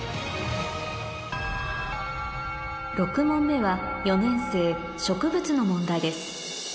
６問目は４年生植物の問題です